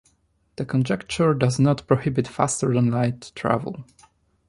The conjecture does not prohibit faster-than-light travel.